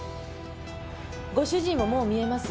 ご主人ももう見えます。